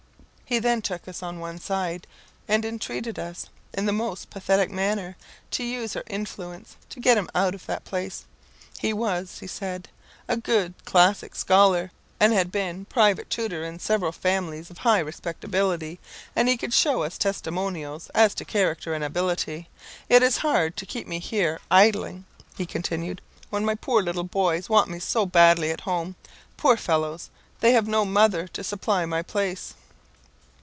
He then took us on one side, and intreated us in the most pathetic manner to use our influence to get him out of that place. "He was," he said, "a good classic scholar, and had been private tutor in several families of high respectability, and he could shew us testimonials as to character and ability. It is hard to keep me here idling," he continued, "when my poor little boys want me so badly at home; poor fellows! and they have no mother to supply my place."